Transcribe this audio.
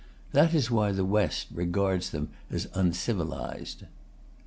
That is why the West regards them as uncivilized.